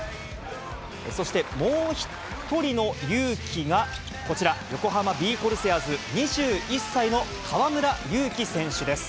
そしてもう一人のゆうきがこちら、横浜ビーコルセアーズ、２１歳の河村勇輝選手です。